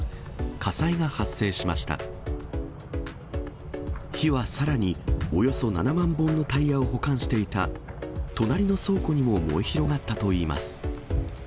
火はさらにおよそ７万本のタイヤを保管していた隣の倉庫にも燃え広がったといいます。